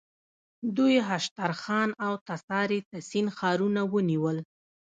دوی هشترخان او تساریتسین ښارونه ونیول.